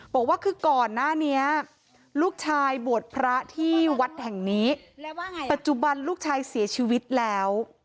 บอกว่าคือก่อนหน้านี้ลูกชายบวชพระที่วัดแห่งนี้ปัจจุบันลูกชายเสียชีวิตแล้ว